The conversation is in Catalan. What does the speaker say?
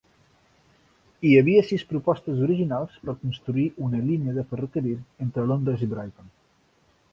Hi havia sis propostes originals per construir una línia de ferrocarril entre Londres i Brighton.